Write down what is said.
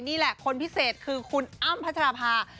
นี่แหละคนพิเศษคือคุณอ้ำพัชราภา